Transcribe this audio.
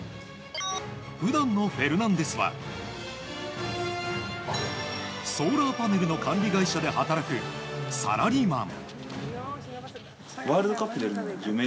普段のフェルナンデスはソーラーパネルの管理会社で働くサラリーマン。